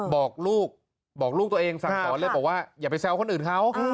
บอกลูกบอกลูกตัวเองสั่งสอนเลยบอกว่าอย่าไปแซวคนอื่นเขา